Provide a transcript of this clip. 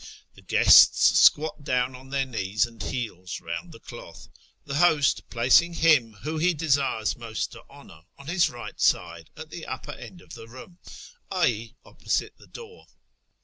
The guests squat down on their knees and heels round the cloth, the host placing him whom he desires most to honour on his right side at the upper end of the room (i.e. opposite the door).